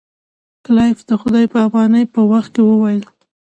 کلایف د خدای په امانی په وخت کې وویل.